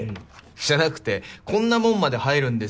じゃなくてこんなもんまで入るんですか？